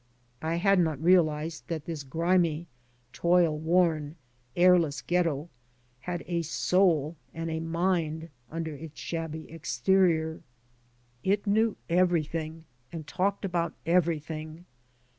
I had not realized that this grimy, toil worn, airless Ghetto had a soul and a mind under its shabby exterior. 146 SHIRTS AND PHILOSOPHY It knew everything and talked about everything.